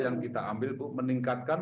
yang kita ambil bu meningkatkan